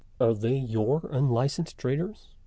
Are they your unlicensed traders?"